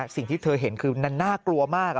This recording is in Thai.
สิ่งที่เธอเห็นคือมันน่ากลัวมาก